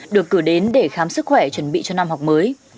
được cử đến để khám sức khỏe chuẩn bị cho năm học mới